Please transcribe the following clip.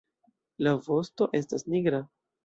La vosto estas nigra.